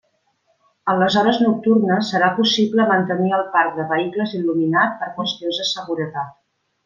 En les hores nocturnes serà possible mantenir el parc de vehicles il·luminat per qüestions de seguretat.